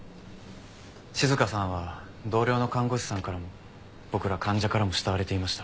静香さんは同僚の看護師さんからも僕ら患者からも慕われていました。